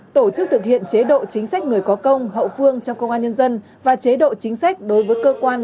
tổ chức thực hiện chế độ chính sách người có công hậu phương trong công an nhân dân và chế độ chính sách đối với cơ quan